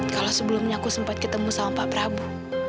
kalau sebelumnya aku sempat ketemu sama pak prabu